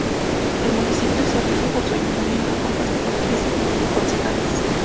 El municipio se rige por su ayuntamiento, compuesto por trece concejales.